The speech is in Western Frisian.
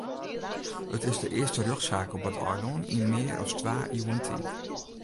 It is de earste rjochtsaak op it eilân yn mear as twa iuwen tiid.